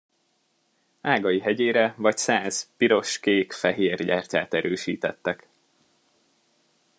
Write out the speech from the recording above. Ágai hegyére vagy száz piros, kék, fehér gyertyát erősítettek.